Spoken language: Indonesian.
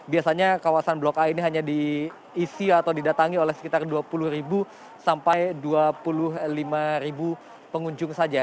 biasanya kawasan blok a ini hanya diisi atau didatangi oleh sekitar dua puluh sampai dua puluh lima pengunjung saja